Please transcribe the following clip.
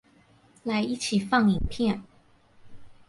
來一起放影片